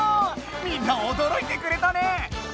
みんなおどろいてくれたね！